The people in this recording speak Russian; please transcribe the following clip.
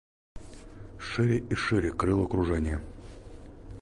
Шире и шире крыл окружие.